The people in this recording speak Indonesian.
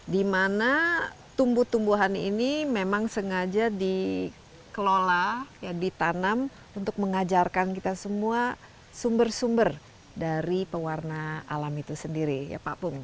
dimana tumbuh tumbuhan ini memang sengaja dikelola ditanam untuk mengajarkan kita semua sumber sumber dari pewarna alam itu sendiri ya pak pung